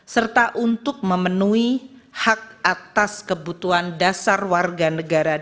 serta untuk memenuhi hak atas kebutuhan dasar warga negara